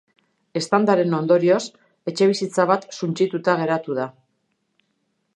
Eztandaren ondorioz etxebizitza bat suntsituta geratu da.